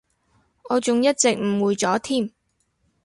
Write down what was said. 我仲一直誤會咗添